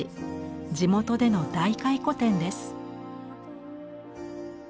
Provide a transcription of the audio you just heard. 地元での大回顧展です。